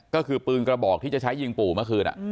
ก็คือปืนกระบอกที่จะใช้ยิงปู่เมื่อคืน